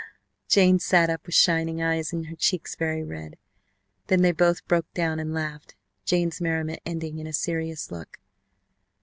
Jane sat up with shining eyes and her cheeks very red. Then they both broke down and laughed, Jane's merriment ending in a serious look.